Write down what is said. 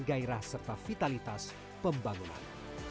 gairah serta vitalitas pembangunan